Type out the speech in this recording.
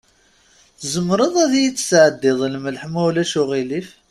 Tzemreḍ ad yi-d-tesɛeddiḍ lmelḥ, ma ulac aɣilif?